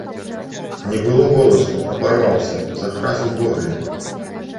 Не было голасу, абарваўся, захрас у горле.